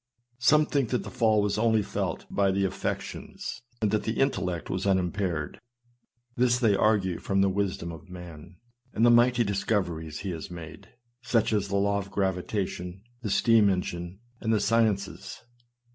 Some think that the fall was only felt by the affections, and that the intellect was unimpaired ; this they argue from the wisdom of man, and the mighty discoveries he has made, such as the law of gravitation, the steam engine, and the sciences.